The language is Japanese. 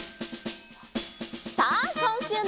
さあこんしゅうの。